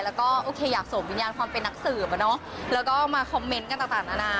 แล้วก็โอเคอยากส่งวิญญาณความเป็นนักสืบอ่ะเนอะแล้วก็มาคอมเมนต์กันต่างนานา